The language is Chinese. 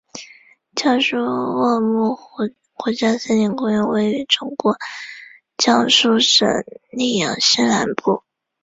江苏天目湖国家森林公园位于中国江苏省溧阳市南部。